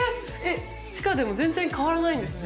地下でも全然変わらないんですね